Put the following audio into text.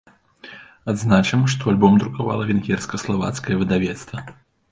Адзначым, што альбом друкавала венгерска-славацкае выдавецтва.